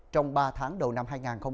trong ba tháng đầu năm hai nghìn hai mươi